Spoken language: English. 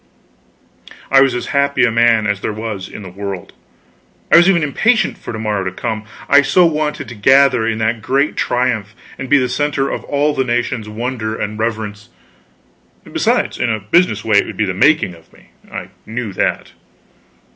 I was as happy a man as there was in the world. I was even impatient for to morrow to come, I so wanted to gather in that great triumph and be the center of all the nation's wonder and reverence. Besides, in a business way it would be the making of me; I knew that.